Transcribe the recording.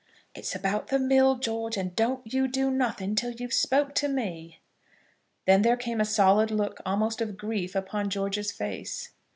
"It's about the mill, George; and don't you do nothing till you've spoke to me." Then there came a solid look, almost of grief, upon George's face.